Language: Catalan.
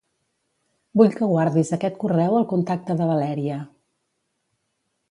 Vull que guardis aquest correu al contacte de Valèria.